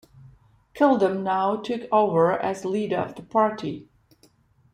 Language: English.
Kilbom now took over as leader of the party.